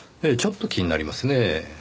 ええちょっと気になりますねぇ。